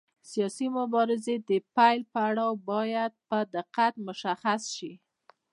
د سیاسي مبارزې د پیل پړاو باید په دقت مشخص شي.